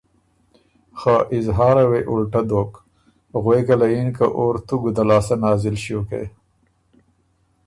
خه اظهاره وې اُلټۀ دوک، غوېکه له یِن که ”اور تُو ګُده لاسته نازل ݭیوکې؟“